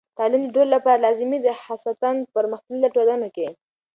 تعلیم د ټولو لپاره لازمي دی، خاصتاً پرمختللو ټولنو کې.